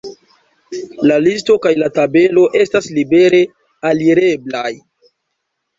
La listo kaj la tabelo estas libere alireblaj.